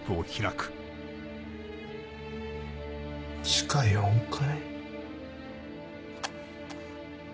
地下４階？